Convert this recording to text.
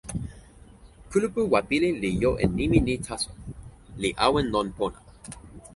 kulupu Wapili li jo e nimi ni taso, li awen lon pona.